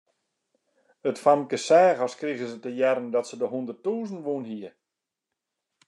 It famke seach as krige se te hearren dat se de hûnderttûzen wûn hie.